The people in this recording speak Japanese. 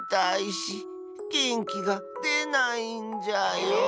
げんきがでないんじゃよ。